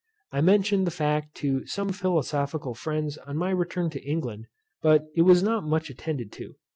I mentioned the fact to some philosophical friends on my return to England, but it was not much attended to.